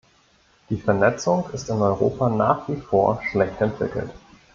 Die Vernetzung ist in Europa nach wie vor schlecht entwickelt.